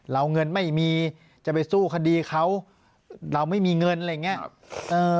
เงินไม่มีจะไปสู้คดีเขาเราไม่มีเงินอะไรอย่างนี้